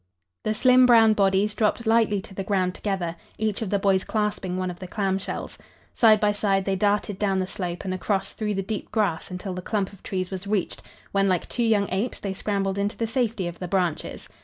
The slim brown bodies dropped lightly to the ground together, each of the boys clasping one of the clamshells. Side by side they darted down the slope and across through the deep grass until the clump of trees was reached, when, like two young apes, they scrambled into the safety of the branches.